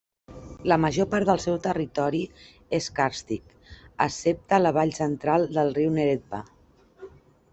La major part del seu territori és càrstic, excepte la vall central del riu Neretva.